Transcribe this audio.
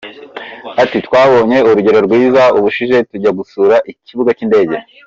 Ati “Twabonye urugero rwiza ubushize tujya gusura ikibuga cy’indege.